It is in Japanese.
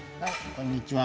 こんにちは。